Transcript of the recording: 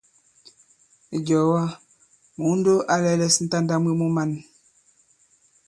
Ìjɔ̀ɔ̀wa, Mùundo a lɛ̄lɛ̄s ǹtanda mwe mu man.